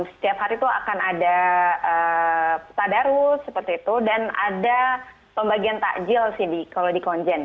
setiap hari itu akan ada tadarus seperti itu dan ada pembagian takjil sih kalau di konjen